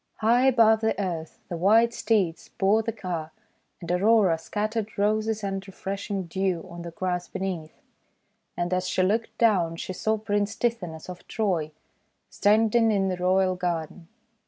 High above the earth the white steeds bore the car, and Aurora scattered Roses and refresh ing dew on the grass beneath. And as she looked down she saw Prince Tithonus of Troy standing in the royal garden.